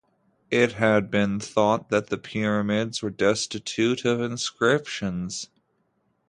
It had been thought that the pyramids were destitute of inscriptions.